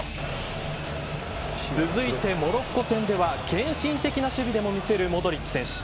続いて、モロッコ戦では献身的な守備でも見せるモドリッチ選手。